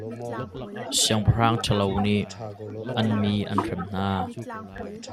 Siangpahrang ṭhalo nih an mi an hrem hna.